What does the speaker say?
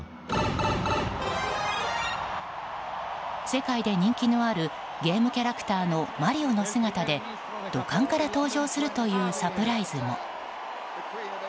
世界で人気のあるゲームキャラクターのマリオの姿で土管から登場するというサプライズも。